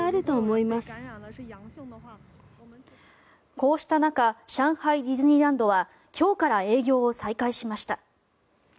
こうした中上海ディズニーランドは今日から営業を再開しました。